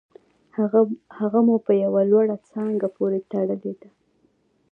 هغه مو په یوه لوړه څانګه پورې تړلې ده